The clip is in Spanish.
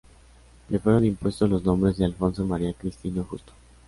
Le fueron impuestos los nombres de Alfonso María Cristino Justo.